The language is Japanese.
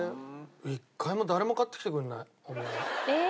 一回も誰も買ってきてくれない俺に。